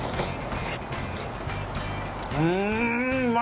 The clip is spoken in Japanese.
うん！！。